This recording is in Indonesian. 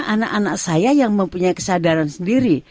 anak anak saya yang mempunyai kesadaran sendiri